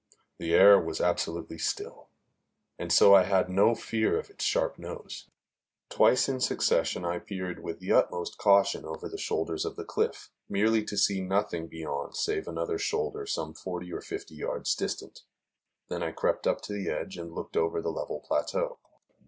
The air was absolutely still, and so I had no fear of its sharp nose. Twice in succession I peered with the utmost caution over shoulders of the cliff, merely to see nothing beyond save another shoulder some forty or fifty yards distant. Then I crept up to the edge and looked over the level plateau.